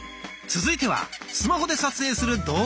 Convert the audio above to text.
続いてはスマホで撮影する動画。